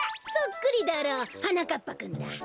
そっくりだろはなかっぱくんだ。